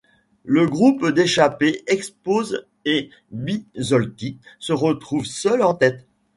Le groupe d’échappés explose et Bisolti se retrouve seul en tête.